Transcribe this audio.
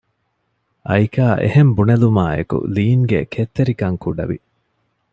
އައިކާ އެހެން ބުނެލުމާއެކު ލީންގެ ކެތްތެރިކަން ކުޑަވި